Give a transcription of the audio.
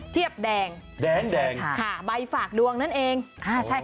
เทียบแดงแดงค่ะค่ะใบฝากดวงนั่นเองอ่าใช่ค่ะ